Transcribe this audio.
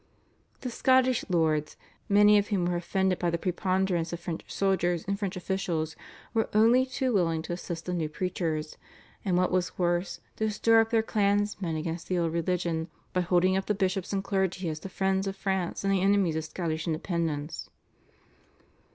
The Scottish lords, many of whom were offended by the preponderance of French soldiers and French officials, were only too willing to assist the new preachers, and what was worse, to stir up their clansmen against the old religion by holding up the bishops and clergy as the friends of France and the enemies of Scottish independence.